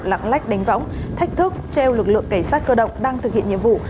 lạng lách đánh võng thách thức treo lực lượng cảnh sát cơ động đang thực hiện nhiệm vụ